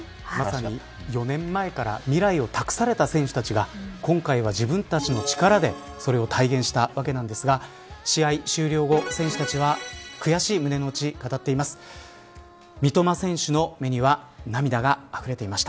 ４年前から未来を託された選手たちが今回は自分たちの力でそれを体現したわけなんですが試合終了後、選手たちは悔しい胸の内、語っています。